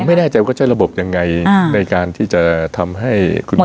ไม่แน่ใจว่าใช้ระบบยังไงในการที่จะทำให้คุณหมอ